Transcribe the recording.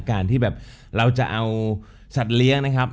การที่แบบเราจะเอาสัตว์เลี้ยงนะครับ